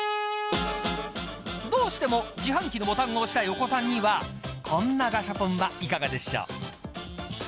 どうしても自販機のボタンを押したいお子さんにはこんなガシャポンはいかがでしょう。